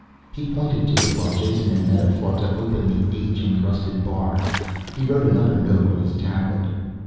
He pointed to it. While Jason and Meta fought to open the age incrusted bars, he wrote another note on his tablet.